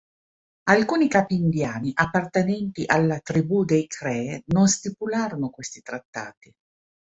Alcuni capi indiani appartenenti alla tribù dei Cree non stipularono questi trattati.